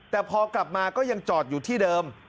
แต่พอกลับมาก็ยังจอดอยู่ที่เดิม